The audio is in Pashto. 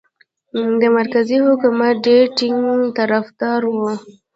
د مرکزي حکومت ډېر ټینګ طرفدار وو.